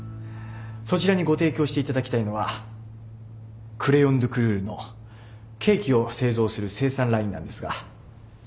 そちらにご提供していただきたいのはＣｒａｙｏｎＤｅＣＯＵＬＥＵＲのケーキを製造する生産ラインなんですが。